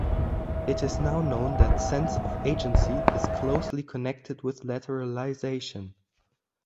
It is now known that sense of agency is closely connected with lateralization.